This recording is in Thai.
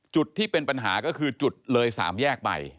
จุดที่เป็นปัญหาก็คือจุดเลย๓แยกไป